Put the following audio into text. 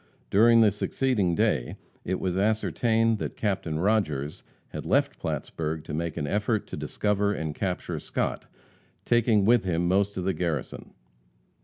During the succeeding day it was ascertained that Captain Rodgers had left Plattsburg to make an effort to discover and capture Scott, taking with him most of the garrison.